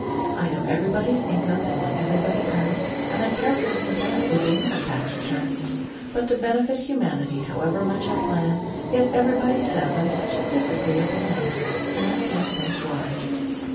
I know everybody's income and what everybody earns, And I carefully compare it with the income tax returns; But to benefit humanity, however much I plan, Yet everybody says I'm such a disagreeable man! And I can't think why!